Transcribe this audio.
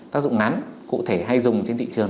tác dụng ngắn cụ thể hay dùng trên thị trường